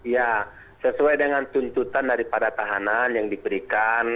ya sesuai dengan tuntutan dari para tahanan yang diberikan